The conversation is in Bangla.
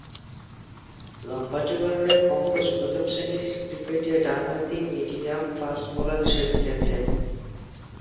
লম্বাটে গড়নের পঙ্কজ প্রথম-শ্রেণীর ক্রিকেটে ডানহাতি মিডিয়াম ফাস্ট বোলার হিসেবে খেলছেন।